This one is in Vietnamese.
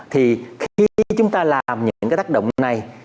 thì khi chúng ta làm những cái tác động này